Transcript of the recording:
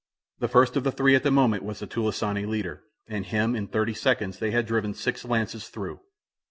The first of the three at that moment was the "tulisane" leader, and him, in thirty seconds, they had driven six lances through.